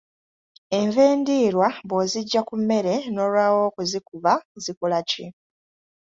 Enva endiirwa bw'oziggya ku mmere n'olwawo okuzikuba zikola ki?